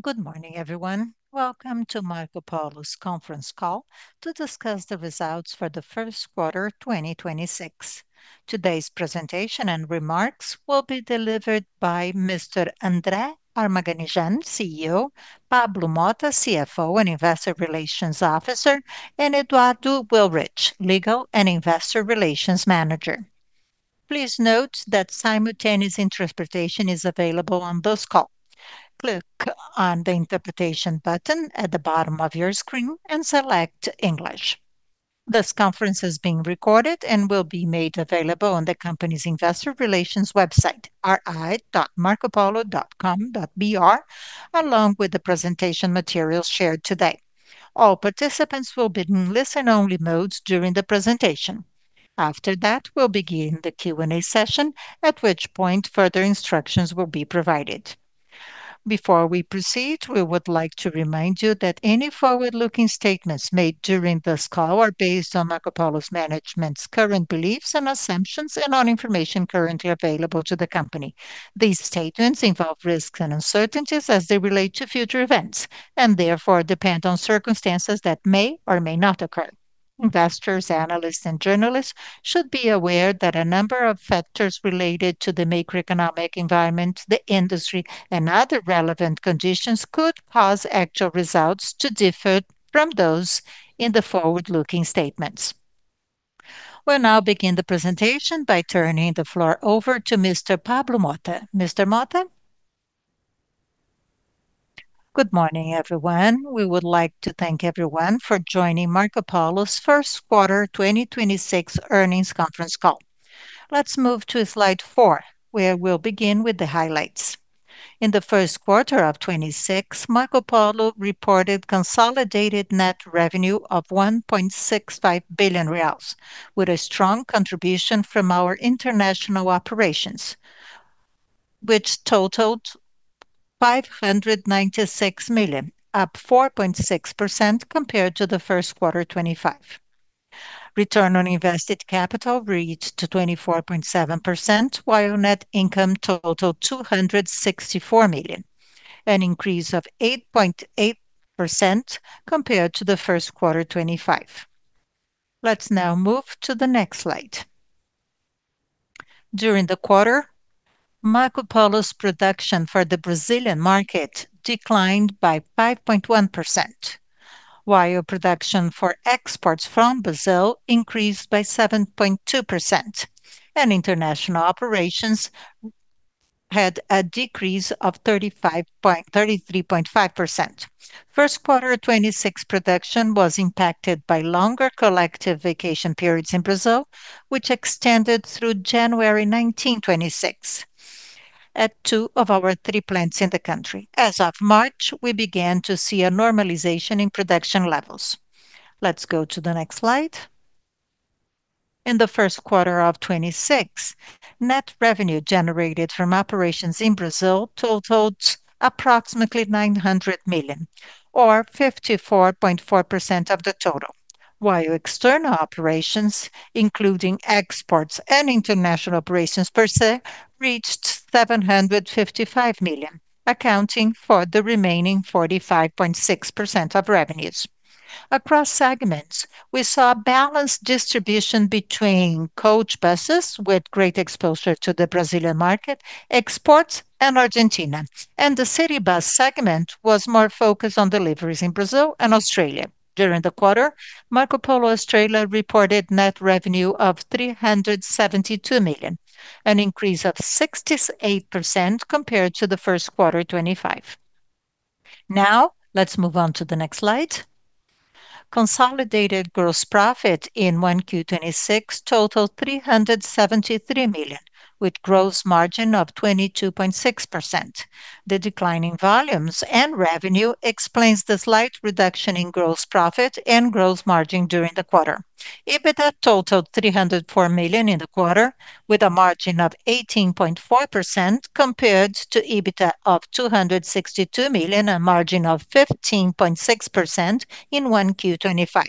Good morning, everyone. Welcome to Marcopolo's conference call to discuss the results for the first quarter 2026. Today's presentation and remarks will be delivered by Mr. André Armaganijan, CEO, Pablo Motta, CFO and Investor Relations Officer, and Eduardo Willrich, Legal and Investor Relations Manager. Please note that simultaneous interpretation is available on this call. Click on the interpretation button at the bottom of your screen and select English. This conference is being recorded and will be made available on the company's investor relations website, ri.marcopolo.com.br, along with the presentation materials shared today. All participants will be in listen-only modes during the presentation. After that, we'll begin the Q&A session, at which point, further instructions will be provided. Before we proceed, we would like to remind you that any forward-looking statements made during this call are based on Marcopolo's management's current beliefs and assumptions, and on information currently available to the company. These statements involve risks and uncertainties as they relate to future events, and therefore, depend on circumstances that may or may not occur. Investors, analysts, and journalists should be aware that a number of factors related to the macroeconomic environment, the industry, and other relevant conditions could cause actual results to differ from those in the forward-looking statements. We'll now begin the presentation by turning the floor over to Mr. Pablo Motta. Mr. Motta. Good morning, everyone. We would like to thank everyone for joining Marcopolo's first quarter 2026 earnings conference call. Let's move to slide four, where we'll begin with the highlights. In the first quarter of 2026, Marcopolo reported consolidated net revenue of 1.65 billion reais, with a strong contribution from our international operations, which totaled 596 million, up 4.6% compared to the first quarter 2025. Return on invested capital reached 24.7%, while net income totaled 264 million, an increase of 8.8% compared to the first quarter 2025. Let's now move to the next slide. During the quarter, Marcopolo's production for the Brazilian market declined by 5.1%, while production for exports from Brazil increased by 7.2%, and international operations had a decrease of 33.5%. First quarter of 2026 production was impacted by longer collective vacation periods in Brazil, which extended through January 1926 at two of our three plants in the country. As of March, we began to see a normalization in production levels. Let's go to the next slide. In the first quarter of 2026, net revenue generated from operations in Brazil totaled approximately 900 million or 54.4% of the total. External operations, including exports and international operations per se, reached 755 million, accounting for the remaining 45.6% of revenues. Across segments, we saw a balanced distribution between coach buses with great exposure to the Brazilian market, exports, and Argentina, and the city bus segment was more focused on deliveries in Brazil and Australia. During the quarter, Marcopolo Australia reported net revenue of 372 million, an increase of 68% compared to the first quarter 2025. Let's move on to the next slide. Consolidated gross profit in 1Q 2026 totaled 373 million, with gross margin of 22.6%. The decline in volumes and revenue explains the slight reduction in gross profit and gross margin during the quarter. EBITDA totaled 304 million in the quarter, with a margin of 18.4% compared to EBITDA of 262 million, a margin of 15.6% in 1Q 2025.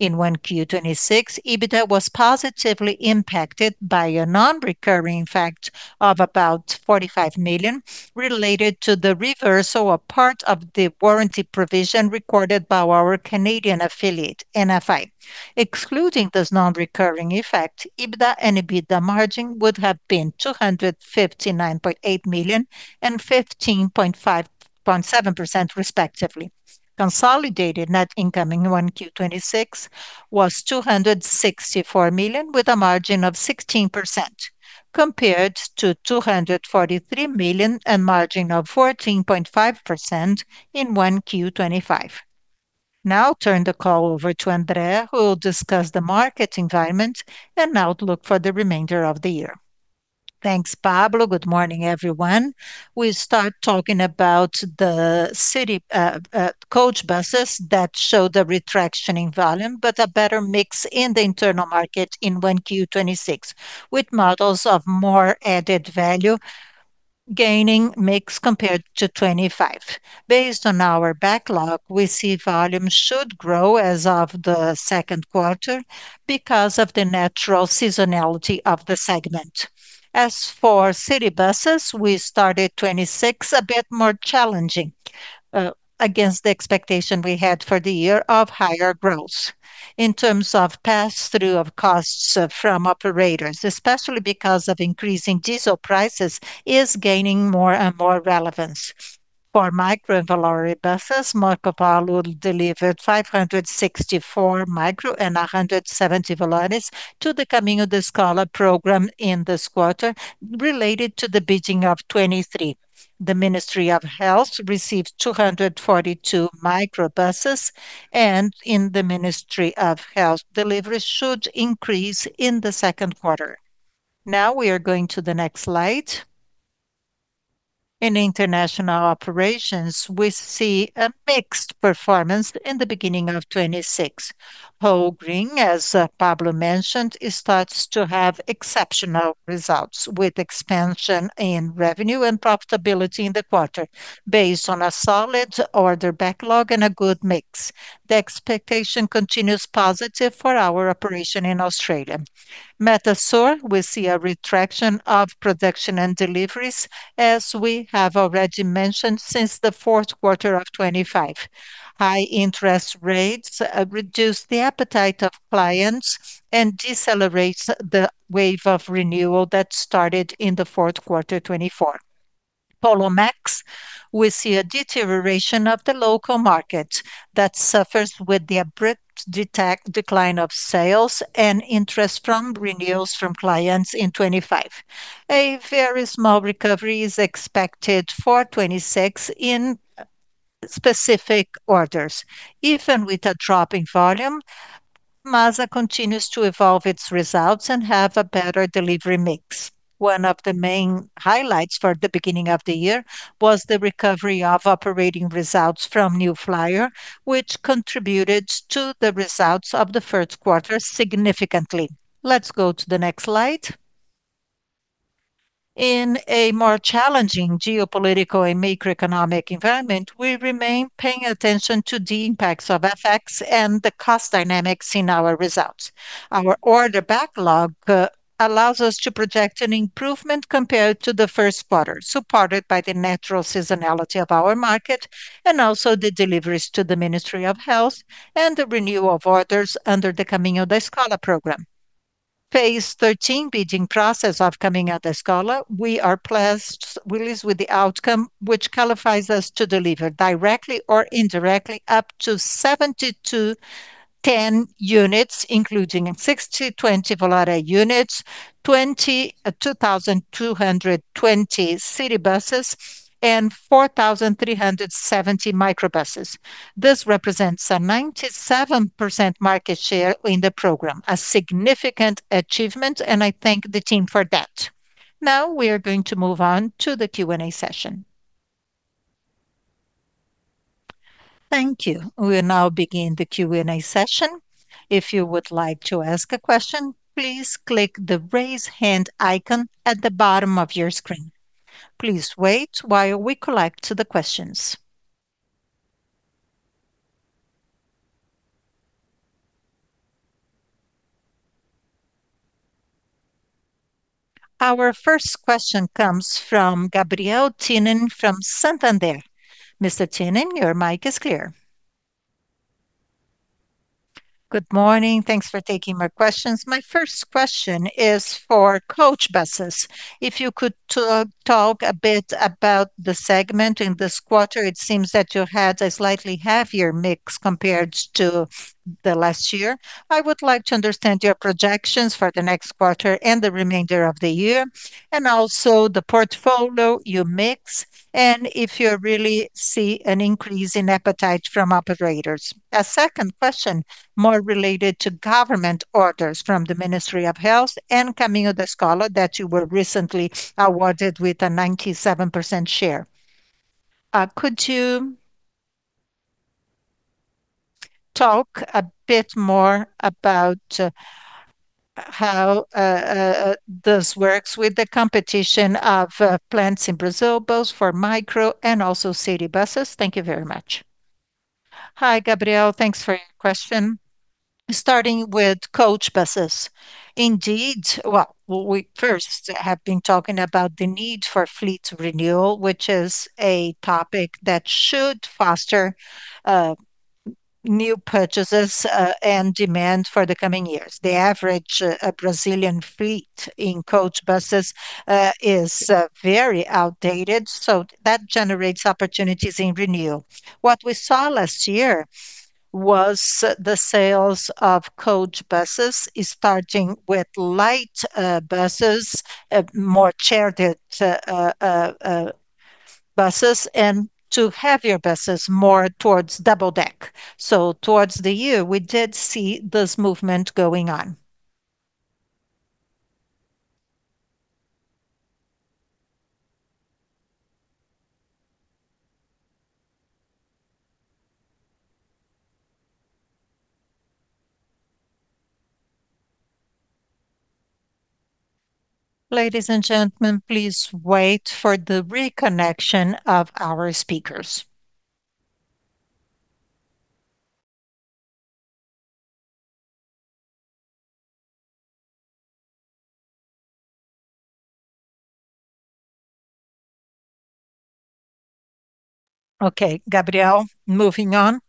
In 1Q 2026, EBITDA was positively impacted by a non-recurring effect of about 45 million related to the reverse or a part of the warranty provision recorded by our Canadian affiliate, NFI. Excluding this non-recurring effect, EBITDA and EBITDA margin would have been 259.8 million and 15.7% respectively. Consolidated net income in 1Q 2026 was 264 million with a margin of 16% compared to 243 million and margin of 14.5% in 1Q 2025. Turn the call over to André, who will discuss the market environment and outlook for the remainder of the year. Thanks, Pablo. Good morning, everyone. We start talking about the city coach buses that show the retraction in volume, but a better mix in the internal market in 1Q 2026, with models of more added value. Gaining mix compared to 2025. Based on our backlog, we see volume should grow as of the second quarter because of the natural seasonality of the segment. As for city buses, we started 2026 a bit more challenging against the expectation we had for the year of higher growth. In terms of pass-through of costs, from operators, especially because of increasing diesel prices, is gaining more and more relevance. For micro and Volare buses, Marcopolo delivered 564 micro and 170 Volares to the Caminho da Escola program in this quarter related to the beginning of 2023. The Ministry of Health received 242 micro buses, and in the Ministry of Health, delivery should increase in the second quarter. We are going to the next slide. In international operations, we see a mixed performance in the beginning of 2026. Volgren, as Pablo mentioned, it starts to have exceptional results with expansion in revenue and profitability in the quarter based on a solid order backlog and a good mix. The expectation continues positive for our operation in Australia. Metalsur, we see a retraction of production and deliveries as we have already mentioned since the fourth quarter of 2025. High interest rates reduce the appetite of clients and decelerates the wave of renewal that started in the fourth quarter 2024. Polomex, we see a deterioration of the local market that suffers with the abrupt decline of sales and interest from renewals from clients in 2025. A very small recovery is expected for 2026 in specific orders. Even with a drop in volume, MASA continues to evolve its results and have a better delivery mix. One of the main highlights for the beginning of the year was the recovery of operating results from New Flyer, which contributed to the results of the first quarter significantly. Let's go to the next slide. In a more challenging geopolitical and macroeconomic environment, we remain paying attention to the impacts of FX and the cost dynamics in our results. Our order backlog allows us to project an improvement compared to the first quarter, supported by the natural seasonality of our market and also the deliveries to the Ministry of Health and the renewal of orders under the Caminho da Escola program. Phase 13 bidding process of Caminho da Escola, we are pleased with the outcome, which qualifies us to deliver directly or indirectly up to 7,210 units, including 6,020 Volare units, 22,220 city buses, and 4,370 micro buses. This represents a 97% market share in the program, a significant achievement, and I thank the team for that. Now we are going to move on to the Q&A session. Thank you. We'll now begin the Q&A session. If you would like to ask a question, please click the Raise Hand icon at the bottom of your screen. Please wait while we collect the questions. Our first question comes from Gabriel Tinem from Santander. Mr. Tinem, your mic is clear. Good morning. Thanks for taking my questions. My first question is for coach buses. If you could talk a bit about the segment in this quarter, it seems that you had a slightly heavier mix compared to the last year. I would like to understand your projections for the next quarter and the remainder of the year, and also the portfolio you mix, and if you really see an increase in appetite from operators. A second question, more related to government orders from the Ministry of Health and Caminho da Escola that you were recently awarded with a 97% share. Could you talk a bit more about how this works with the competition of plants in Brazil, both for micro and also city buses? Thank you very much. Hi, Gabriel. Thanks for your question. Starting with coach buses. Well, we first have been talking about the need for fleet renewal, which is a topic that should foster new purchases and demand for the coming years. The average Brazilian fleet in coach buses is very outdated, so that generates opportunities in renewal. What we saw last year was the sales of coach buses is starting with light buses, more chartered buses and to heavier buses more towards double deck. Towards the year we did see this movement going on. Okay, Gabriel, moving on.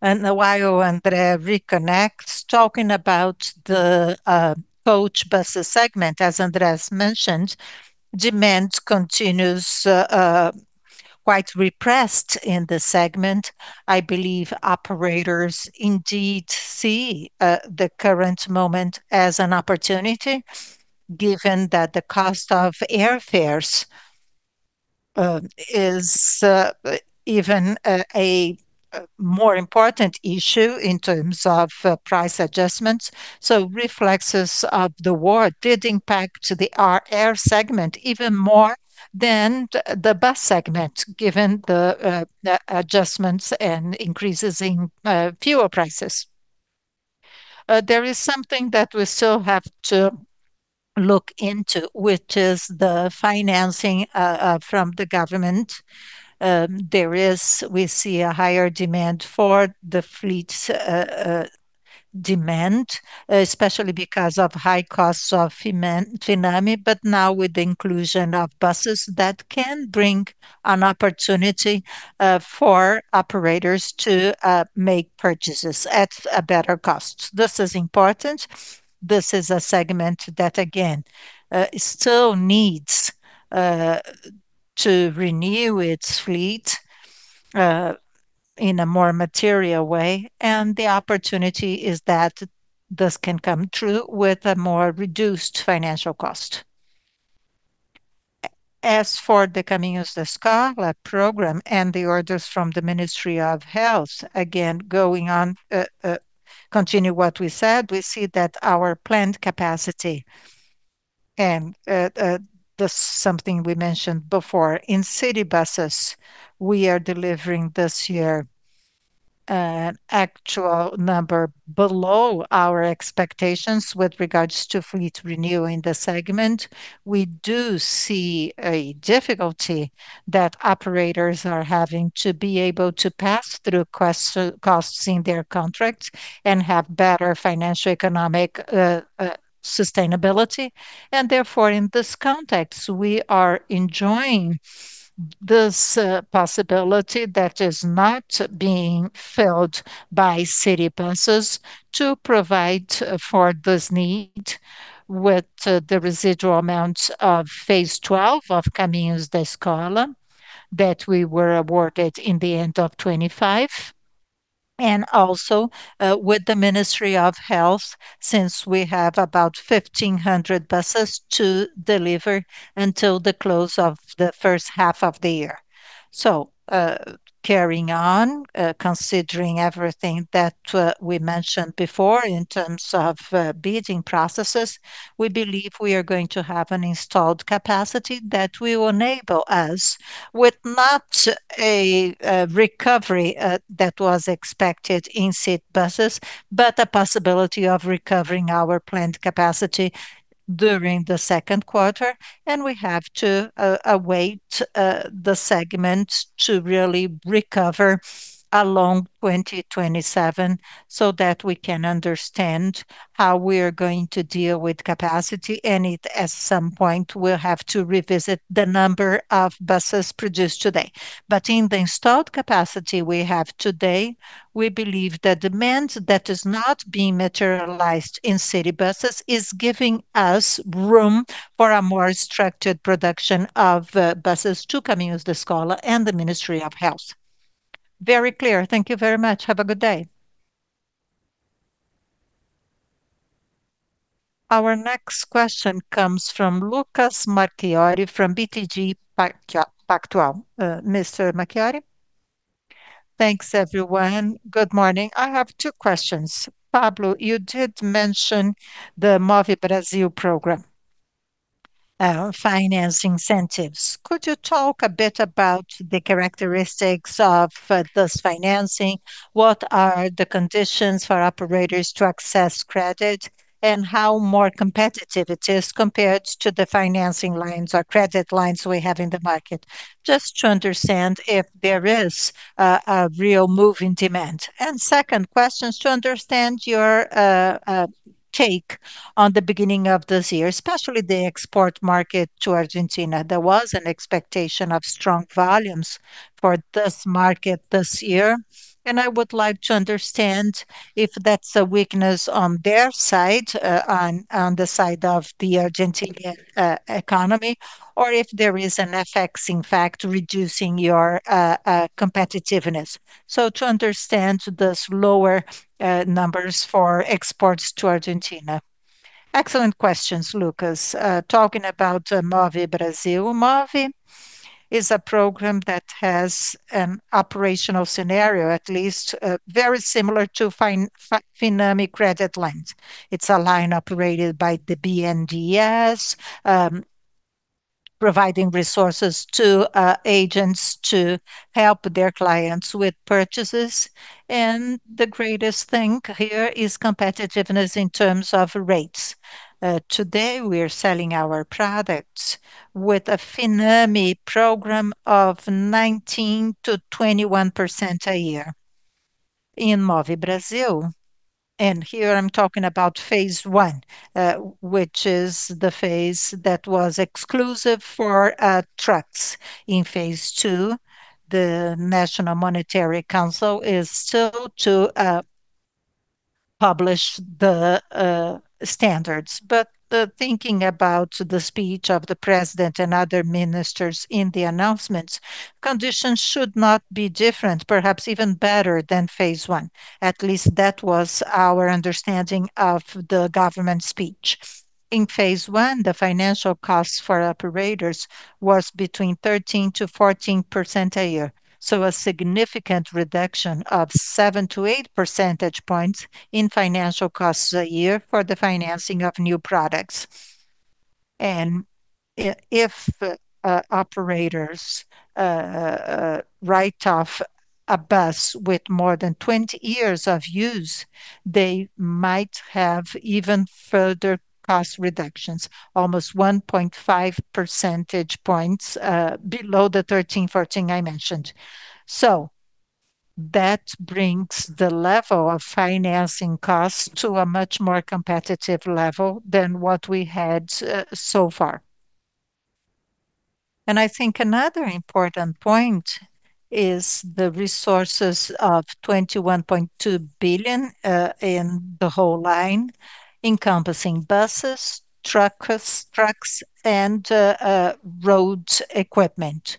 While André reconnects, talking about the coach buses segment, as André's mentioned, demand continues quite repressed in this segment. I believe operators indeed see the current moment as an opportunity, given that the cost of airfares is even a more important issue in terms of price adjustments. Reflexes of the war did impact to the air segment even more than the bus segment, given the adjustments and increases in fuel prices. There is something that we still have to look into, which is the financing from the government. We see a higher demand for the fleet's demand, especially because of high costs of FINAME, but now with the inclusion of buses that can bring an opportunity for operators to make purchases at a better cost. This is important. This is a segment that again, still needs to renew its fleet in a more material way, and the opportunity is that this can come true with a more reduced financial cost. As for the Caminho da Escola program and the orders from the Ministry of Health, again, going on, continue what we said, we see that our planned capacity and the something we mentioned before. In city buses, we are delivering this year an actual number below our expectations with regards to fleet renewing the segment. We do see a difficulty that operators are having to be able to pass through costs in their contracts and have better financial, economic, sustainability. Therefore, in this context, we are enjoying this possibility that is not being filled by city buses to provide for this need with the residual amounts of phase 12 of Caminho da Escola that we were awarded in the end of 2025. Also, with the Ministry of Health, since we have about 1,500 buses to deliver until the close of the first half of the year. Carrying on, considering everything that we mentioned before in terms of bidding processes, we believe we are going to have an installed capacity that will enable us with not a recovery that was expected in city buses, but a possibility of recovering our planned capacity during the second quarter. We have to await the segment to really recover along 2027, so that we can understand how we're going to deal with capacity, and it, at some point, will have to revisit the number of buses produced today. But in the installed capacity we have today, we believe the demand that is not being materialized in city buses is giving us room for a more structured production of buses to Caminho da Escola and the Ministry of Health. Very clear. Thank you very much. Have a good day. Our next question comes from Lucas Marquiori from BTG Pactual. Mr. Marquiori? Thanks, everyone. Good morning. I have two questions. Pablo, you did mention the Move Brasil program, finance incentives. Could you talk a bit about the characteristics of this financing? What are the conditions for operators to access credit? How more competitive it is compared to the financing lines or credit lines we have in the market, just to understand if there is a real move in demand. Second question is to understand your take on the beginning of this year, especially the export market to Argentina. There was an expectation of strong volumes for this market this year, and I would like to understand if that's a weakness on their side, on the side of the Argentinian economy, or if there is an FX, in fact, reducing your competitiveness. To understand this lower numbers for exports to Argentina. Excellent questions, Lucas. Talking about Move Brasil. Move is a program that has an operational scenario, at least, very similar to FINAME credit lines. It's a line operated by the BNDES, providing resources to agents to help their clients with purchases. The greatest thing here is competitiveness in terms of rates. Today we're selling our products with a FINAME program of 19%-21% a year in Move Brasil. Here I'm talking about phase one, which is the phase that was exclusive for trucks. In phase two, the National Monetary Council is still to publish the standards. Thinking about the speech of the president and other ministers in the announcements, conditions should not be different, perhaps even better than phase one. At least that was our understanding of the government speech. In phase one, the financial costs for operators was between 13%-14% a year, a significant reduction of 7 to 8 percentage points in financial costs a year for the financing of new products. If operators write off a bus with more than 20 years of use, they might have even further cost reductions, almost 1.5 percentage points below the 13, 14 I mentioned. That brings the level of financing costs to a much more competitive level than what we had so far. I think another important point is the resources of 21.2 billion in the whole line, encompassing buses, truckers, trucks, and road equipment.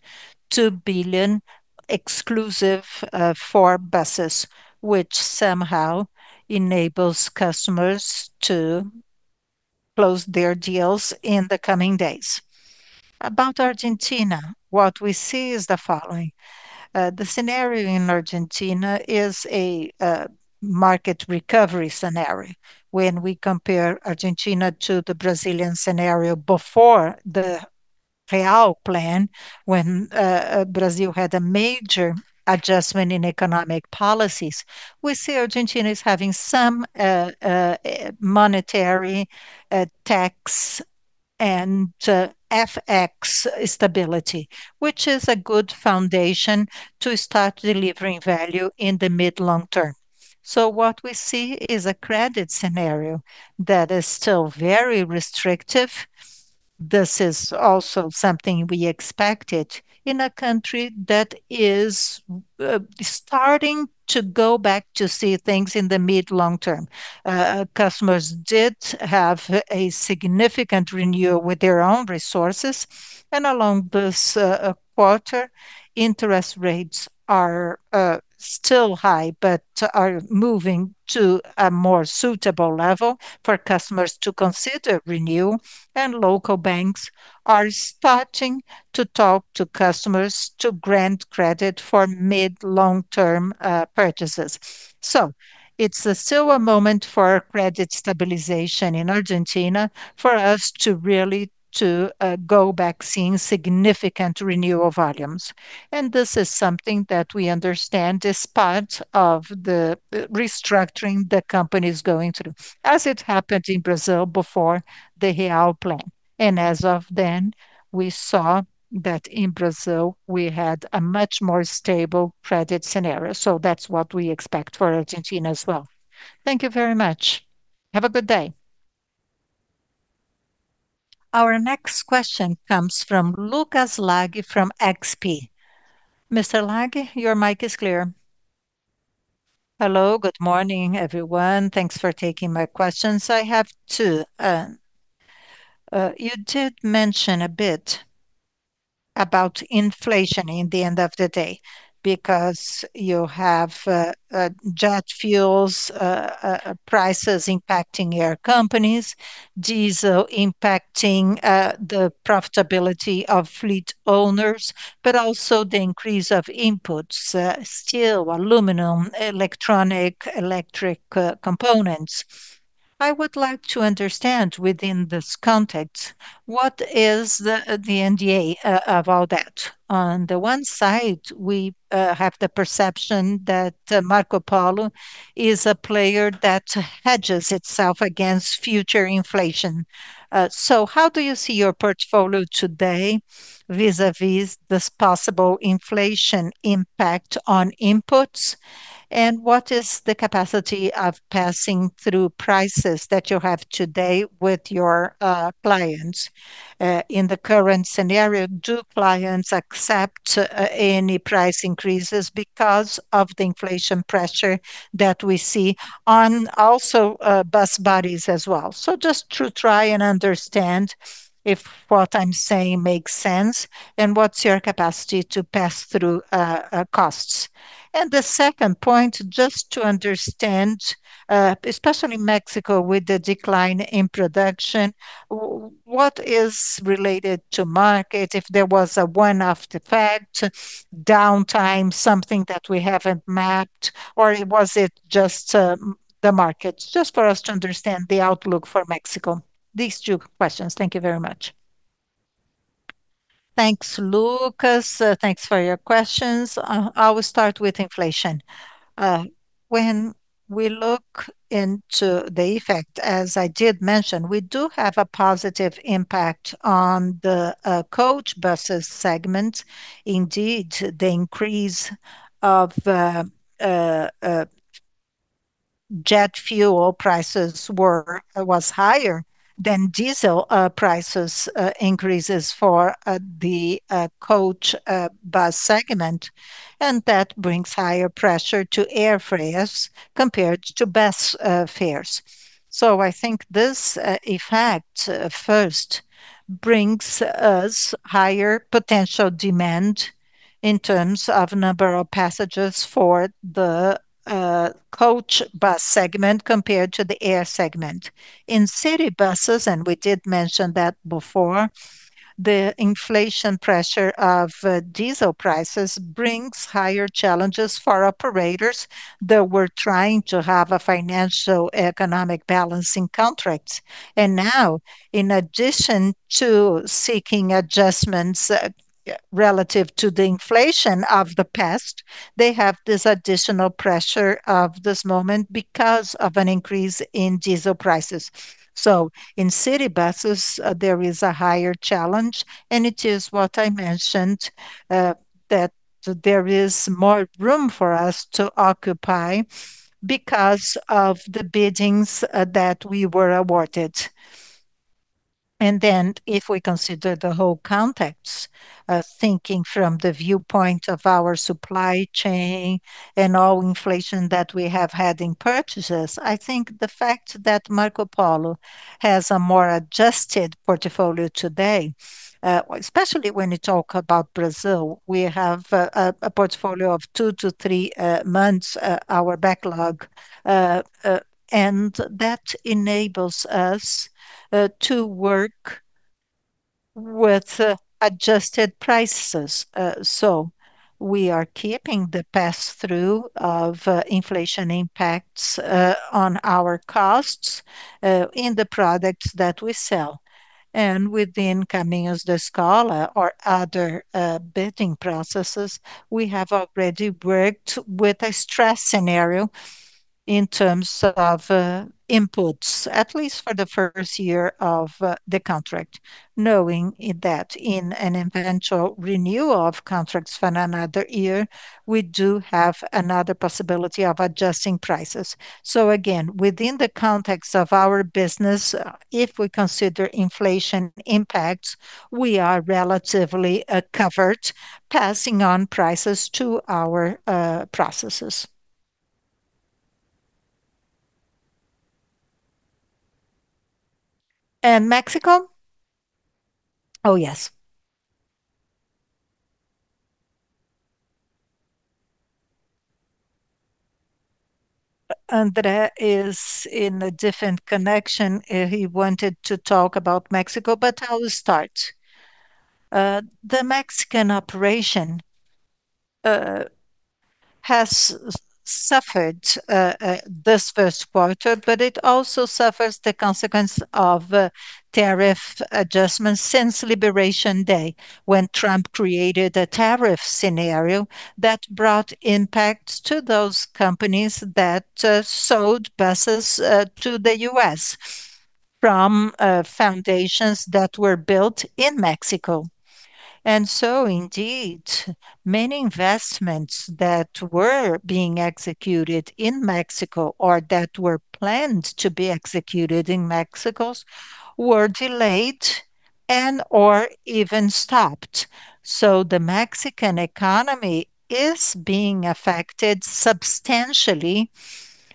2 billion exclusive for buses, which somehow enables customers to close their deals in the coming days. About Argentina, what we see is the following. The scenario in Argentina is a market recovery scenario. When we compare Argentina to the Brazilian scenario before the Real Plan, when Brazil had a major adjustment in economic policies, we see Argentina is having some monetary, tax, and FX stability, which is a good foundation to start delivering value in the mid-long term. What we see is a credit scenario that is still very restrictive. This is also something we expected in a country that is starting to go back to see things in the mid-long term. Customers did have a significant renewal with their own resources, and along this quarter, interest rates are still high but are moving to a more suitable level for customers to consider renew, and local banks are starting to talk to customers to grant credit for mid-long-term purchases. It's still a moment for credit stabilization in Argentina for us to really go back seeing significant renewal volumes. This is something that we understand is part of the restructuring the company's going through, as it happened in Brazil before the Real Plan. As of then, we saw that in Brazil we had a much more stable credit scenario. That's what we expect for Argentina as well. Thank you very much. Have a good day. Our next question comes from Lucas Laghi from XP. Mr. Laghi, your mic is clear. Hello, good morning, everyone. Thanks for taking my questions. I have two. You did mention a bit about inflation in the end of the day because you have jet fuels prices impacting your companies, diesel impacting the profitability of fleet owners. Also the increase of inputs, steel, aluminum, electronic, electric components. I would like to understand within this context what is the NDA of all that. On the one side, we have the perception that Marcopolo is a player that hedges itself against future inflation. How do you see your portfolio today vis-a-vis this possible inflation impact on inputs? What is the capacity of passing through prices that you have today with your clients? In the current scenario, do clients accept any price increases because of the inflation pressure that we see on also bus bodies as well? Just to try and understand if what I'm saying makes sense and what's your capacity to pass through costs. The second point, just to understand, especially México with the decline in production, what is related to market if there was a one-off effect, downtime, something that we haven't mapped, or was it just the market? Just for us to understand the outlook for México. These two questions. Thank you very much. Thanks, Lucas. Thanks for your questions. I will start with inflation. When we look into the effect, as I did mention, we do have a positive impact on the coach buses segment. Indeed, the increase of jet fuel prices was higher than diesel prices increases for the coach bus segment, and that brings higher pressure to air fares compared to bus fares. I think this effect first brings us higher potential demand in terms of number of passengers for the coach bus segment compared to the air segment. In city buses, and we did mention that before, the inflation pressure of diesel prices brings higher challenges for operators that were trying to have a financial economic balancing contract. Now, in addition to seeking adjustments relative to the inflation of the past, they have this additional pressure of this moment because of an increase in diesel prices. In city buses, there is a higher challenge, and it is what I mentioned, that there is more room for us to occupy because of the biddings that we were awarded. If we consider the whole context, thinking from the viewpoint of our supply chain and all inflation that we have had in purchases, I think the fact that Marcopolo has a more adjusted portfolio today, especially when you talk about Brazil, we have a portfolio of two to three months, our backlog. That enables us to work with adjusted prices. We are keeping the pass-through of inflation impacts on our costs in the products that we sell. Within Caminho da Escola or other bidding processes, we have already worked with a stress scenario in terms of inputs, at least for the first year of the contract, knowing it that in an eventual renewal of contracts for another year, we do have another possibility of adjusting prices. Again, within the context of our business, if we consider inflation impacts, we are relatively covered passing on prices to our processes. Mexico? Oh, yes. André is in a different connection. He wanted to talk about Mexico, but I will start. The Mexican operation has suffered this first quarter, but it also suffers the consequence of tariff adjustments since Liberation Day when Trump created a tariff scenario that brought impacts to those companies that sold buses to the U.S. from foundations that were built in Mexico. Indeed, many investments that were being executed in Mexico or that were planned to be executed in Mexico were delayed and/or even stopped. The Mexican economy is being affected substantially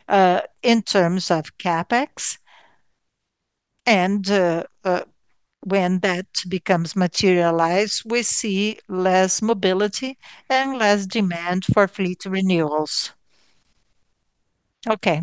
in terms of CapEx, and when that becomes materialized, we see less mobility and less demand for fleet renewals. Okay.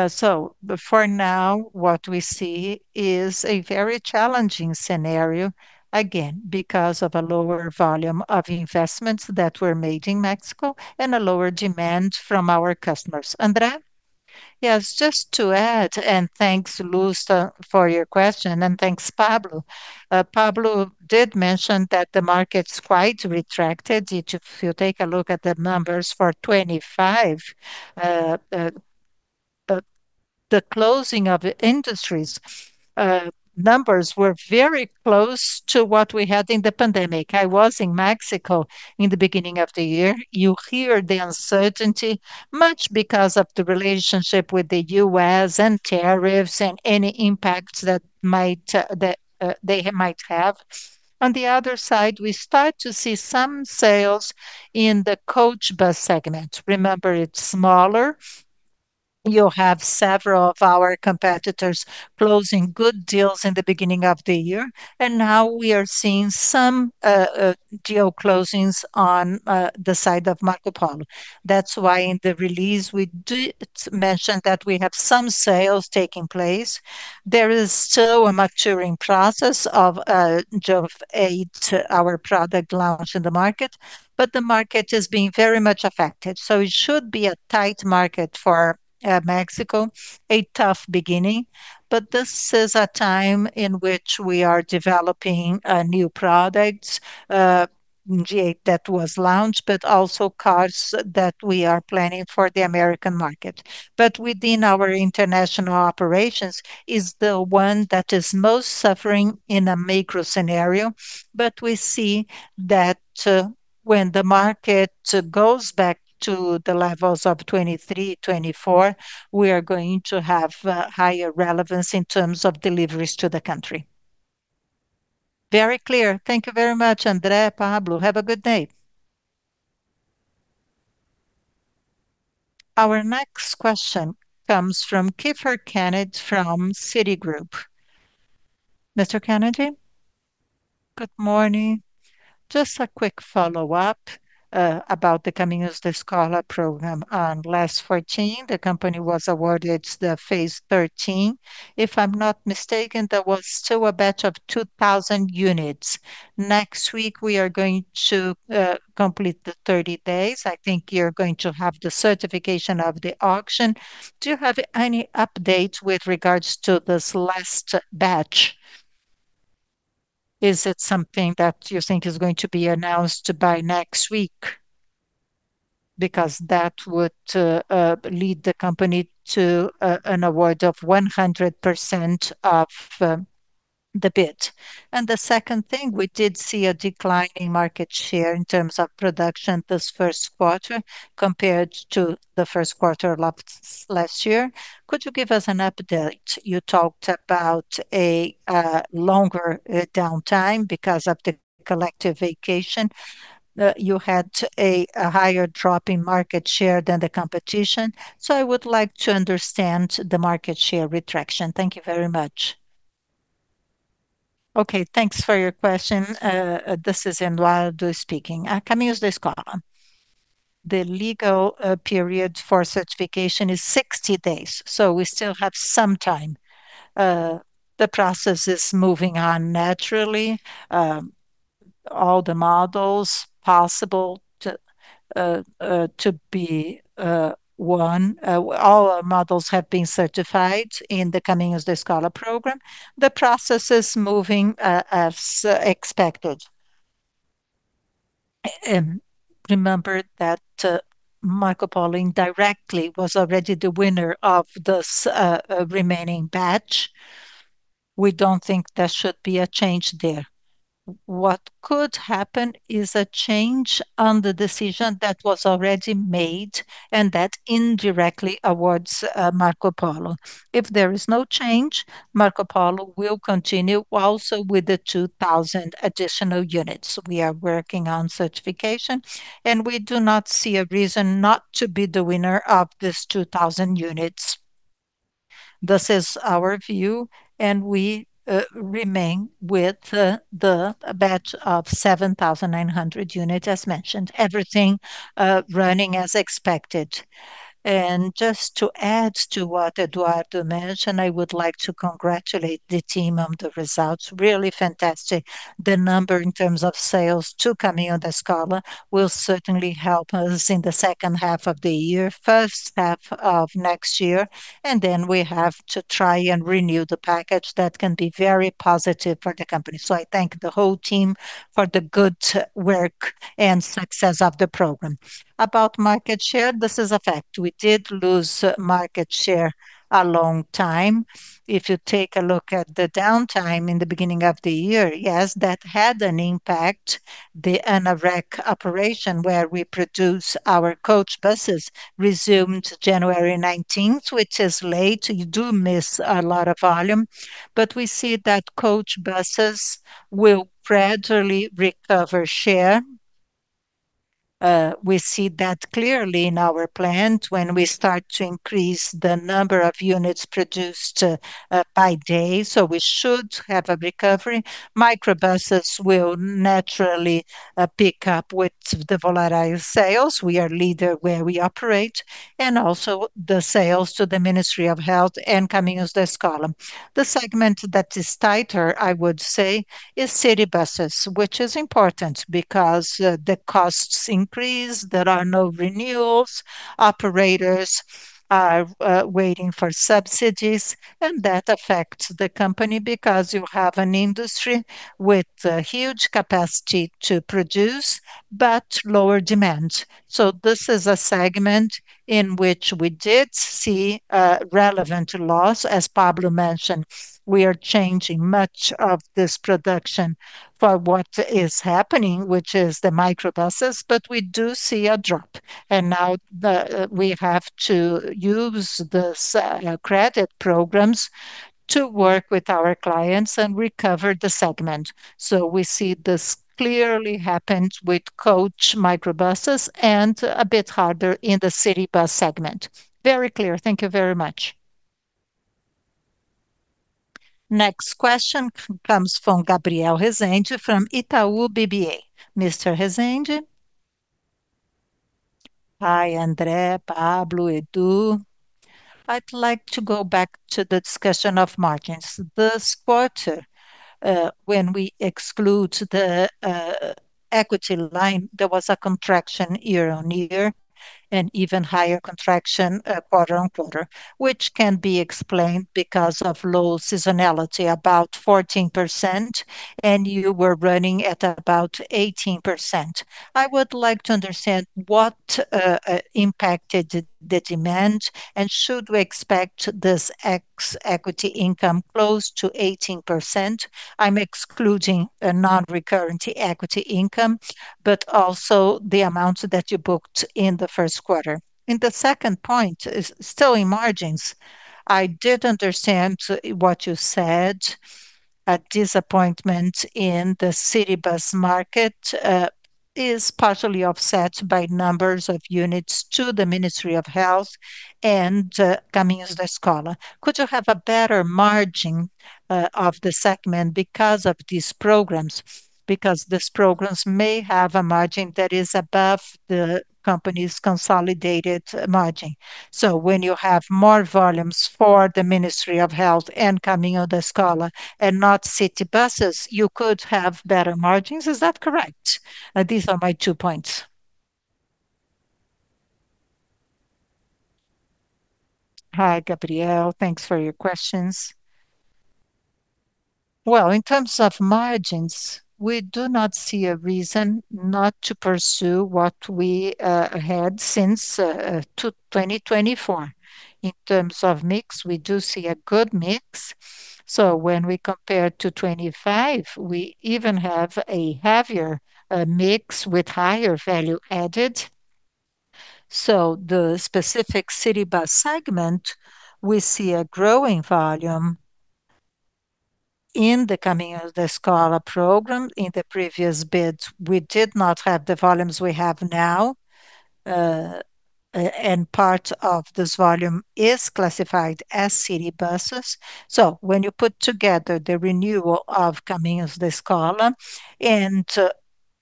For now, what we see is a very challenging scenario, again, because of a lower volume of investments that were made in Mexico and a lower demand from our customers. André? Yes, just to add, and thanks, Lucas, for your question. And thanks, Pablo. Pablo did mention that the market's quite retracted. If you take a look at the numbers for 2025, the closing of industries, numbers were very close to what we had in the pandemic. I was in Mexico in the beginning of the year. You hear the uncertainty much because of the relationship with the U.S. and tariffs and any impacts that might, that they might have. On the other side, we start to see some sales in the coach bus segment. Remember, it's smaller. You have several of our competitors closing good deals in the beginning of the year, and now we are seeing some deal closings on the side of Marcopolo. That's why in the release we did mention that we have some sales taking place. There is still a maturing process of G8, our product launch in the market. The market is being very much affected. It should be a tight market for Mexico, a tough beginning. This is a time in which we are developing new products in G8 that was launched, also cars that we are planning for the American market. Within our international operations is the one that is most suffering in a macro scenario. We see that when the market goes back to the levels of 2023, 2024, we are going to have higher relevance in terms of deliveries to the country. Very clear. Thank you very much, André, Pablo. Have a good day. Our next question comes from Kiepher Kennedy from Citigroup. Mr. Kennedy. Good morning. Just a quick follow-up about the Caminho da Escola program. On last 14, the company was awarded the phase 13. If I'm not mistaken, there was still a batch of 2,000 units. Next week we are going to complete the 30 days. I think you're going to have the certification of the auction. Do you have any update with regards to this last batch? Is it something that you think is going to be announced by next week? That would lead the company to an award of 100% of the bid. The second thing, we did see a decline in market share in terms of production this first quarter compared to the first quarter last year. Could you give us an update? You talked about a longer downtime because of the collective vacation. You had a higher drop in market share than the competition. I would like to understand the market share retraction. Thank you very much. Okay, thanks for your question. This is Eduardo speaking. Caminho da Escola. The legal period for certification is 60 days, so we still have some time. The process is moving on naturally. All the models possible to be won. All our models have been certified in the Caminho da Escola program. The process is moving as expected. Remember that Marcopolo indirectly was already the winner of this remaining batch. We don't think there should be a change there. What could happen is a change on the decision that was already made and that indirectly awards Marcopolo. If there is no change, Marcopolo will continue also with the 2,000 additional units. We are working on certification, and we do not see a reason not to be the winner of this 2,000 units. This is our view, and we remain with the batch of 7,900 unit as mentioned. Everything running as expected. Just to add to what Eduardo mentioned, I would like to congratulate the team on the results. Really fantastic. The number in terms of sales to Caminho da Escola will certainly help us in the second half of the year, first half of next year, and then we have to try and renew the package. That can be very positive for the company. I thank the whole team for the good work and success of the program. About market share, this is a fact. We did lose market share a long time. If you take a look at the downtime in the beginning of the year, yes, that had an impact. The Ana Rech operation where we produce our coach buses resumed January 19th, which is late. You do miss a lot of volume, but we see that coach buses will gradually recover share. We see that clearly in our plant when we start to increase the number of units produced by day, we should have a recovery. Microbuses will naturally pick up with the Volare sales. We are leader where we operate, and also the sales to the Ministry of Health and Caminho da Escola. The segment that is tighter, I would say, is city buses, which is important because the costs increase, there are no renewals. Operators are waiting for subsidies, and that affects the company because you have an industry with a huge capacity to produce but lower demand. This is a segment in which we did see a relevant loss. As Pablo mentioned, we are changing much of this production for what is happening, which is the microbuses, but we do see a drop. Now we have to use this credit programs to work with our clients and recover the segment. We see this clearly happened with coach microbuses and a bit harder in the city bus segment. Very clear. Thank you very much. Next question comes from Gabriel Rezende from Itaú BBA. Mr. Rezende. Hi, André, Pablo, Edu. I'd like to go back to the discussion of margins. This quarter, when we exclude the equity line, there was a contraction year-over-year and even higher contraction quarter-over-quarter, which can be explained because of low seasonality, about 14%, and you were running at about 18%. I would like to understand what impacted the demand and should we expect this ex equity income close to 18%. I'm excluding a non-recurrent equity income, but also the amount that you booked in the first quarter. In the second point is still in margins. I did understand what you said. A disappointment in the city bus market is partially offset by numbers of units to the Ministry of Health and the Caminho da Escola. Could you have a better margin of the segment because of these programs? Because these programs may have a margin that is above the company's consolidated margin. When you have more volumes for the Ministry of Health and Caminho da Escola and not city buses, you could have better margins. Is that correct? These are my two points. Hi, Gabriel. Thanks for your questions. Well, in terms of margins, we do not see a reason not to pursue what we had since 2024. In terms of mix, we do see a good mix. When we compare to 2025, we even have a heavier mix with higher value added. The specific city bus segment, we see a growing volume in the Caminho da Escola program. In the previous bids, we did not have the volumes we have now, and part of this volume is classified as city buses. When you put together the renewal of Caminho da Escola and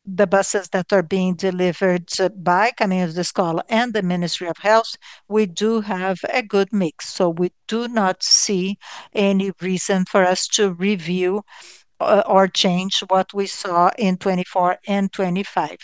the buses that are being delivered by Caminho da Escola and the Ministry of Health, we do have a good mix. We do not see any reason for us to review or change what we saw in 2024 and 2025.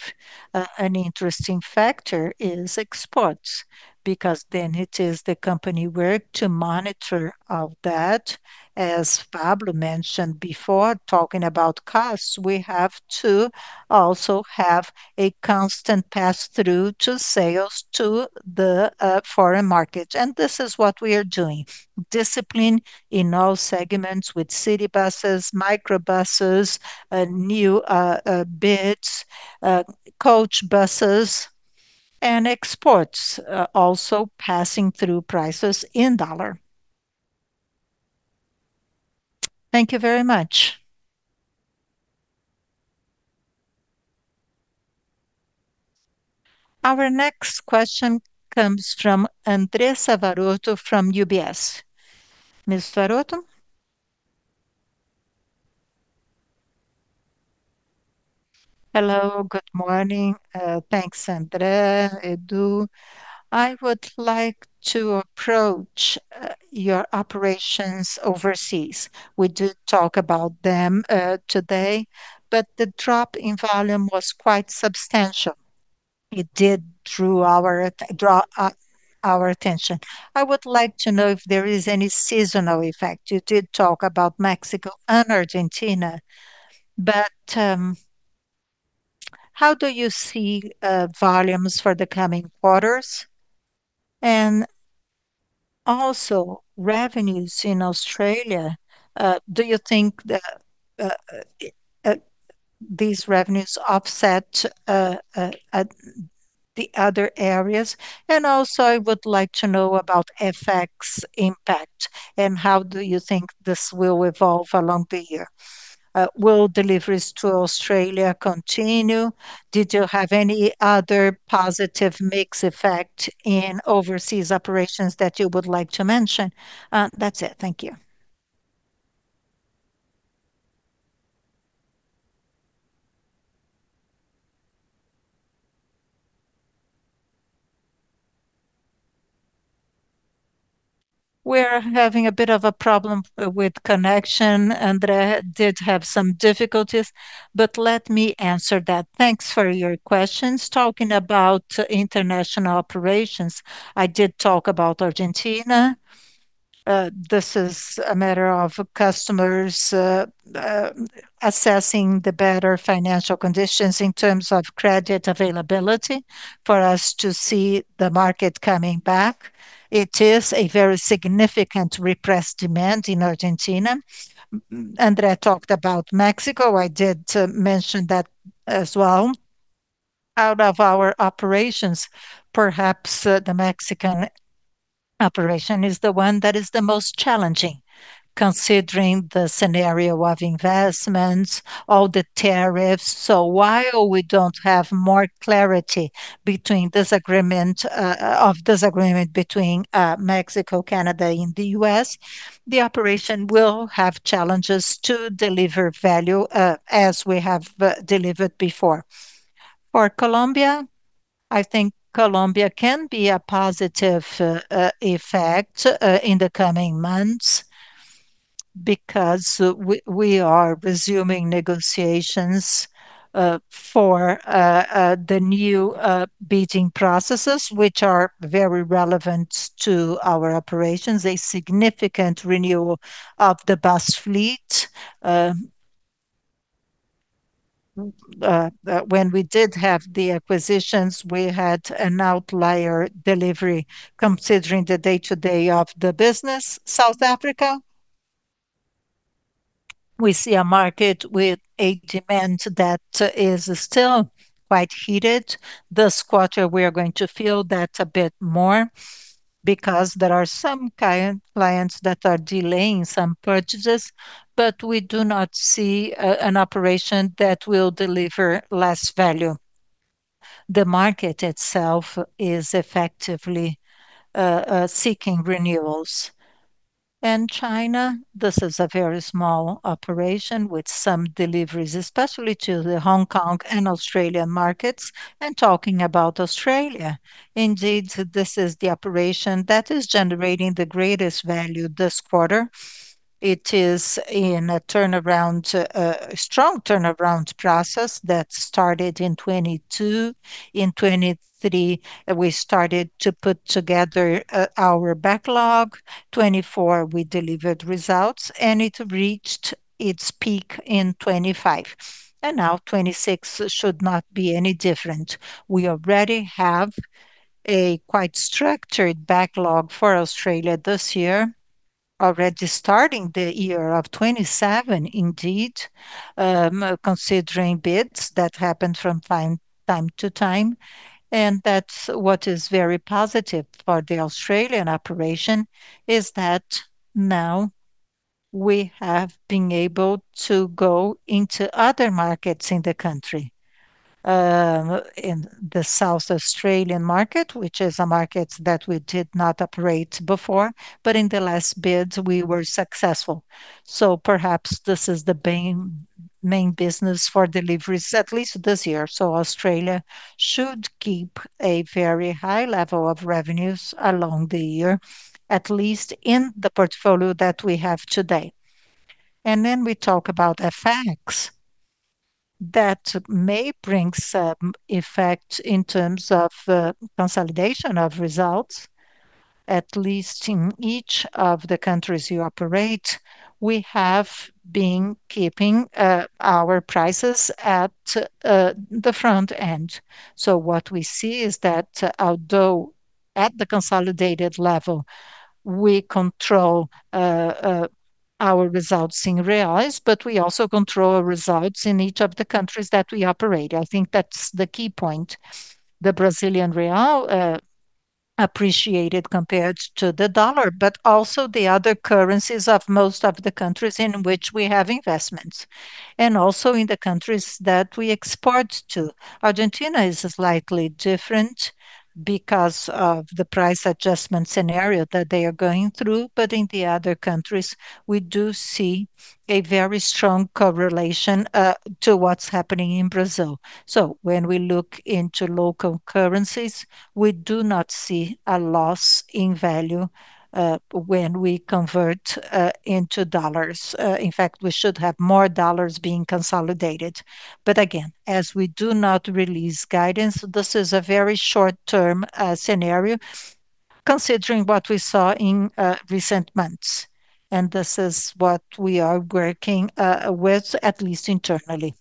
An interesting factor is exports, because then it is the company work to monitor of that. As Pablo mentioned before, talking about costs, we have to also have a constant pass-through to sales to the foreign market. This is what we are doing. Discipline in all segments with city buses, micro buses, new bids, coach buses and exports, also passing through prices in dollar. Thank you very much. Our next question comes from Andressa Varotto from UBS. Ms. Varotto. Hello, good morning. Thanks, André, Edu. I would like to approach your operations overseas. We did talk about them today, the drop in volume was quite substantial. It did draw our attention. I would like to know if there is any seasonal effect. You did talk about Mexico and Argentina, how do you see volumes for the coming quarters? Also revenues in Australia, do you think that these revenues offset at the other areas? Also, I would like to know about FX impact and how do you think this will evolve along the year. Will deliveries to Australia continue? Did you have any other positive mix effect in overseas operations that you would like to mention? That's it. Thank you. We're having a bit of a problem with connection. André did have some difficulties, but let me answer that. Thanks for your questions. Talking about international operations, I did talk about Argentina. This is a matter of customers assessing the better financial conditions in terms of credit availability for us to see the market coming back. It is a very significant repressed demand in Argentina. André talked about Mexico. I did mention that as well. Out of our operations, perhaps, the México operation is the one that is the most challenging, considering the scenario of investments, all the tariffs. While we don't have more clarity between this agreement between Mexico, Canada and the U.S., the operation will have challenges to deliver value as we have delivered before. For Colombia, I think Colombia can be a positive effect in the coming months. We are resuming negotiations for the new bidding processes, which are very relevant to our operations. A significant renewal of the bus fleet. When we did have the acquisitions, we had an outlier delivery considering the day-to-day of the business. South Africa, we see a market with a demand that is still quite heated. This quarter we are going to feel that a bit more because there are some clients that are delaying some purchases, we do not see an operation that will deliver less value. The market itself is effectively seeking renewals. China, this is a very small operation with some deliveries, especially to the Hong Kong and Australian markets. Talking about Australia, indeed this is the operation that is generating the greatest value this quarter. It is in a turnaround, a strong turnaround process that started in 2022. In 2023, we started to put together our backlog. 2024, we delivered results, it reached its peak in 2025, and now 2026 should not be any different. We already have a quite structured backlog for Australia this year, already starting the year of 2027 indeed, considering bids that happen from time to time. That's what is very positive for the Australian operation is that now we have been able to go into other markets in the country. In the South Australian market, which is a market that we did not operate before, but in the last bids we were successful. Perhaps this is the main business for deliveries, at least this year. Australia should keep a very high level of revenues along the year, at least in the portfolio that we have today. We talk about FX. That may bring some effect in terms of consolidation of results, at least in each of the countries you operate. We have been keeping our prices at the front end. What we see is that although at the consolidated level we control our results in Reais, we also control our results in each of the countries that we operate. I think that's the key point. The Brazilian Real appreciated compared to the U.S. dollar, also the other currencies of most of the countries in which we have investments, and also in the countries that we export to. Argentina is slightly different because of the price adjustment scenario that they are going through. In the other countries, we do see a very strong correlation to what's happening in Brazil. When we look into local currencies, we do not see a loss in value when we convert into U.S. dollars. In fact, we should have more U.S. dollars being consolidated. Again, as we do not release guidance, this is a very short-term scenario considering what we saw in recent months, and this is what we are working with, at least internally.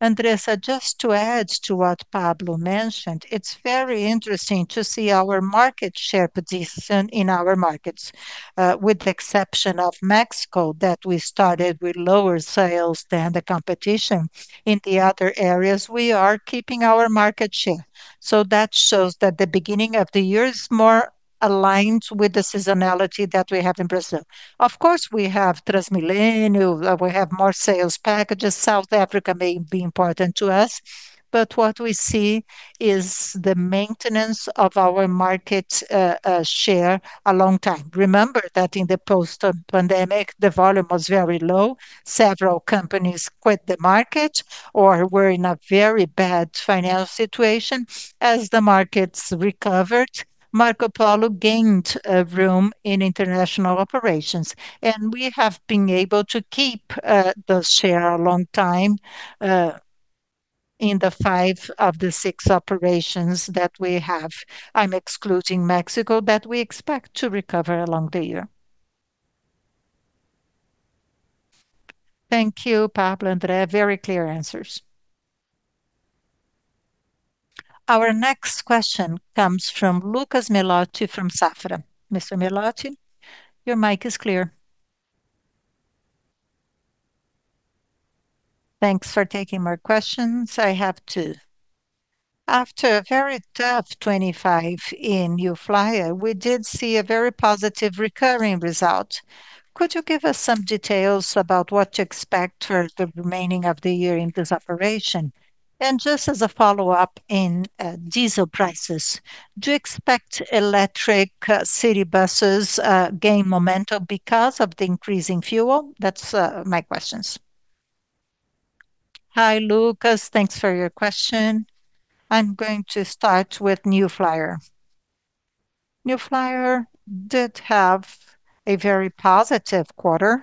Andressa, just to add to what Pablo mentioned, it's very interesting to see our market share position in our markets. With the exception of México, that we started with lower sales than the competition. In the other areas, we are keeping our market share. That shows that the beginning of the year is more aligned with the seasonality that we have in Brazil. Of course, we have TransMilenio, we have more sales packages. South Africa may be important to us, what we see is the maintenance of our market share a long time. Remember that in the post-pandemic, the volume was very low. Several companies quit the market or were in a very bad financial situation. As the markets recovered, Marcopolo gained a room in international operations, and we have been able to keep the share a long time in the five of the six operations that we have. I'm excluding Mexico, we expect to recover along the year. Thank you, Pablo and André. Very clear answers. Our next question comes from Lucas Melotti from Safra. Mr. Melotti, your mic is clear. Thanks for taking my questions. I have two. After a very tough 2025 in New Flyer, we did see a very positive recurring result. Could you give us some details about what to expect for the remaining of the year in this operation? Just as a follow-up in diesel prices, do you expect electric city buses gain momentum because of the increasing fuel? That's my questions. Hi, Lucas. Thanks for your question. I'm going to start with New Flyer. New Flyer did have a very positive quarter.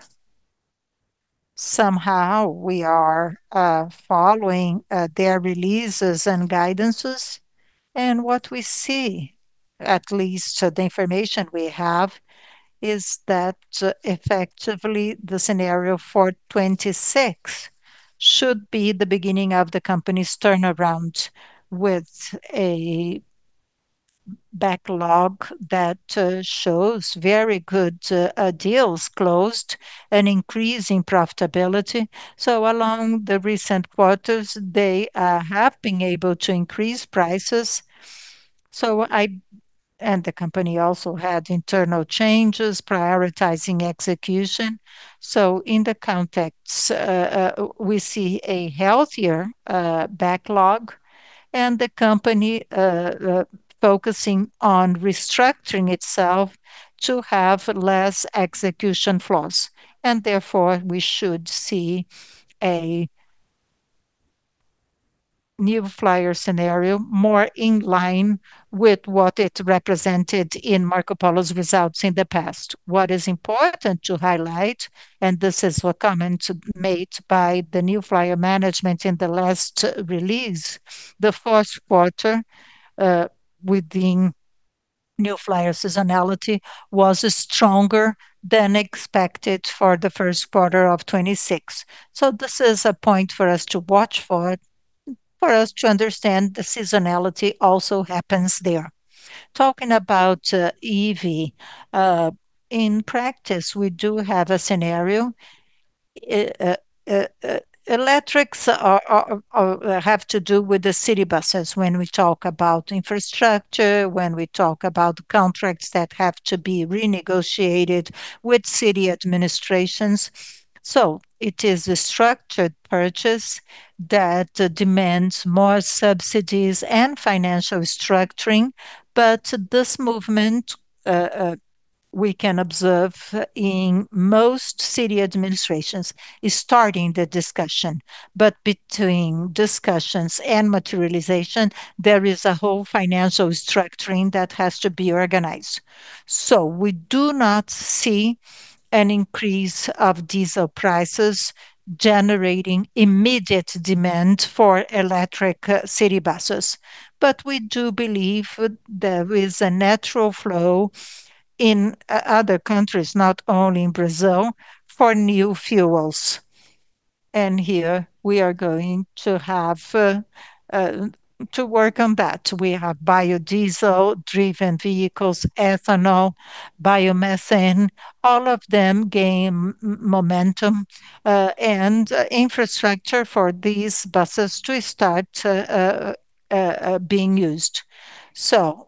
Somehow we are following their releases and guidances, and what we see, at least the information we have, is that effectively the scenario for 2026 should be the beginning of the company's turnaround with a backlog that shows very good deals closed, an increase in profitability. Along the recent quarters, they have been able to increase prices. And the company also had internal changes, prioritizing execution. In the context, we see a healthier backlog, and the company focusing on restructuring itself to have less execution flaws. Therefore, we should see a New Flyer scenario more in line with what it represented in Marcopolo's results in the past. What is important to highlight, and this is a comment made by the New Flyer management in the last release, the first quarter, within New Flyer seasonality was stronger than expected for the first quarter of 2026. This is a point for us to watch for us to understand the seasonality also happens there. Talking about EV, in practice, we do have a scenario, electrics have to do with the city buses when we talk about infrastructure, when we talk about contracts that have to be renegotiated with city administrations. It is a structured purchase that demands more subsidies and financial structuring, but this movement, we can observe in most city administrations is starting the discussion. Between discussions and materialization, there is a whole financial structuring that has to be organized. We do not see an increase of diesel prices generating immediate demand for electric city buses. We do believe there is a natural flow in other countries, not only in Brazil, for new fuels. Here we are going to have to work on that. We have biodiesel-driven vehicles, ethanol, biomethane, all of them gain momentum and infrastructure for these buses to start being used.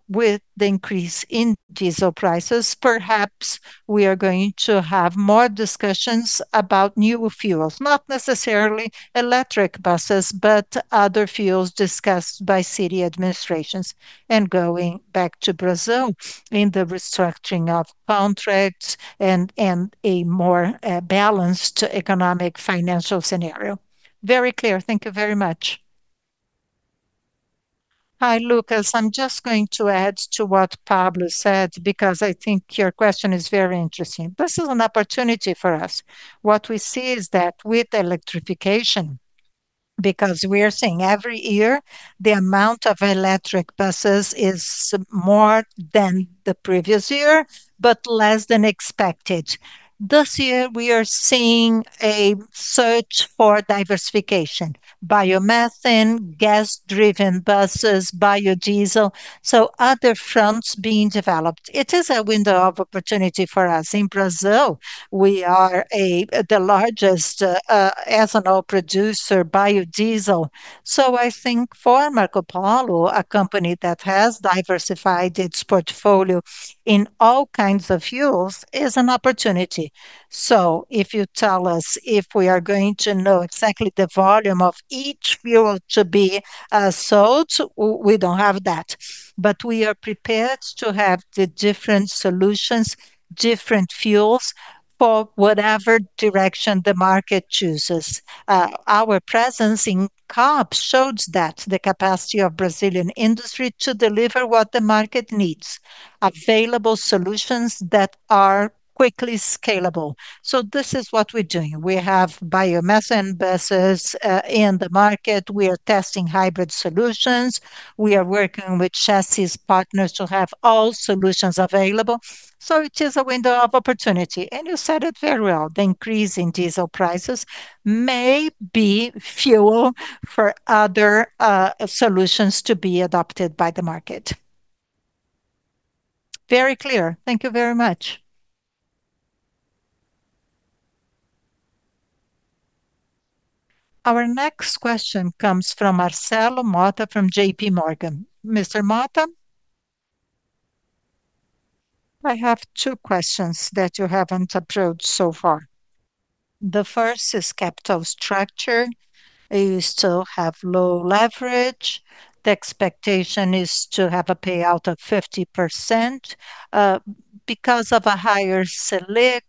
With the increase in diesel prices, perhaps we are going to have more discussions about new fuels. Not necessarily electric buses, but other fuels discussed by city administrations, and going back to Brazil in the restructuring of contracts and a more balanced economic financial scenario. Very clear. Thank you very much. Hi, Lucas. I'm just going to add to what Pablo said, because I think your question is very interesting. This is an opportunity for us. What we see is that with electrification, because we are seeing every year the amount of electric buses is more than the previous year, but less than expected. This year we are seeing a search for diversification, biomethane, gas-driven buses, biodiesel, other fronts being developed. It is a window of opportunity for us. In Brazil, we are a, the largest, ethanol producer, biodiesel. I think for Marcopolo, a company that has diversified its portfolio in all kinds of fuels, is an opportunity. If you tell us if we are going to know exactly the volume of each fuel to be sold, we don't have that. We are prepared to have the different solutions, different fuels for whatever direction the market chooses. Our presence in COP shows that the capacity of Brazilian industry to deliver what the market needs, available solutions that are quickly scalable. This is what we're doing. We have biomethane buses in the market. We are testing hybrid solutions. We are working with Chassis partners to have all solutions available. It is a window of opportunity, and you said it very well. The increase in diesel prices may be fuel for other solutions to be adopted by the market. Very clear. Thank you very much. Our next question comes from Marcelo Motta from JPMorgan. Mr. Motta? I have two questions that you haven't approached so far. The first is capital structure. You still have low leverage. The expectation is to have a payout of 50% because of a higher select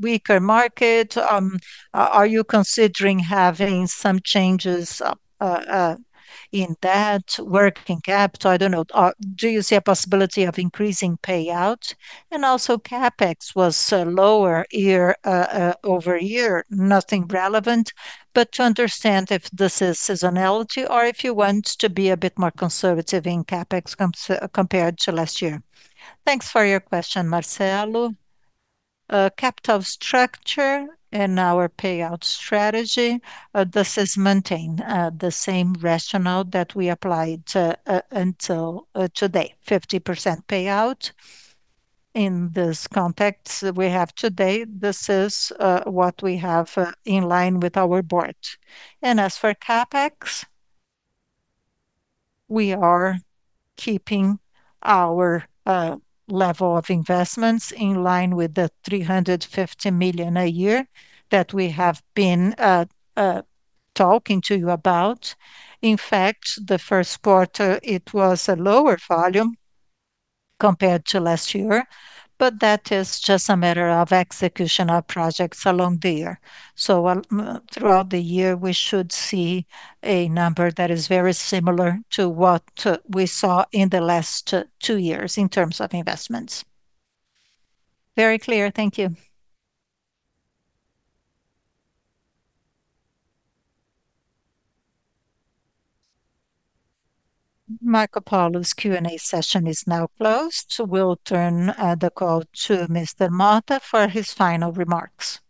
weaker market. Are you considering having some changes in that working capital? I don't know. Do you see a possibility of increasing payout? CapEx was lower year-over-year. Nothing relevant, to understand if this is seasonality or if you want to be a bit more conservative in CapEx compared to last year. Thanks for your question, Marcelo. Capital structure and our payout strategy, this is maintain the same rationale that we applied to until today, 50% payout. In this context we have today, this is what we have in line with our board. As for CapEx, we are keeping our level of investments in line with the 350 million a year that we have been talking to you about. In fact, the first quarter, it was a lower volume compared to last year, but that is just a matter of executional projects along the year. Throughout the year, we should see a number that is very similar to what we saw in the last two years in terms of investments. Very clear. Thank you. Marcopolo's Q&A session is now closed. We'll turn the call to Mr. Motta for his final remarks.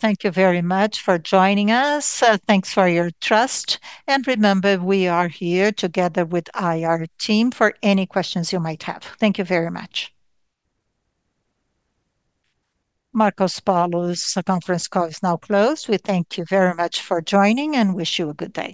Thank you very much for joining us. Thanks for your trust. Remember, we are here together with IR team for any questions you might have. Thank you very much. Marcopolo's conference call is now closed. We thank you very much for joining and wish you a good day